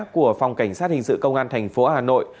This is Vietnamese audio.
của phòng cảnh sát hình sự công an thành phố hà nội